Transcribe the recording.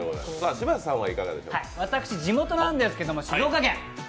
私地元なんですけれども、静岡県。